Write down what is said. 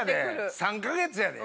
３か月やで？